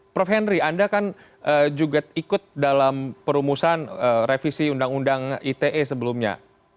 prof henry anda kan juga ikut dalam perumusan revisi undang undang ite sebelumnya